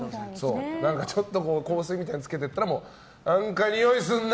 ちょっと香水みたいなのつけてったら何かにおいすんな！